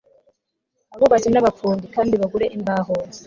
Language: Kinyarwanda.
abubatsi n abafundi kandi bagure imbaho